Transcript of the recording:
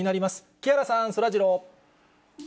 木原さん、そらジロー。